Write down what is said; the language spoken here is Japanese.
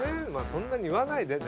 そんなに言わないで。